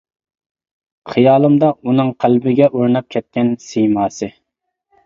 خىيالىمدا ئۇنىڭ قەلبىمگە ئورناپ كەتكەن سىيماسى.